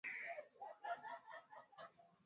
Watu kumi na sita wamefikishwa mahakamani